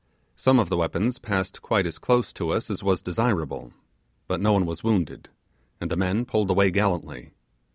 Some of the weapons passed quite as close to us as was desirable, but no one was wounded, and the men pulled away gallantly.